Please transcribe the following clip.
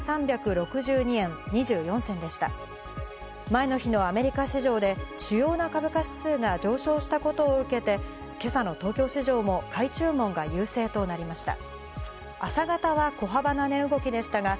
前の日のアメリカ市場で主要な株価指数が上昇したことを受けて、今朝の東京市場も買い注文が優勢となりました。